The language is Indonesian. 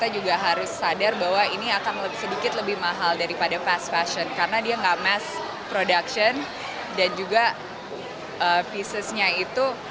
jadi kita bisa mulai